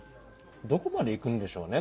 どこまでいくんでしょうね？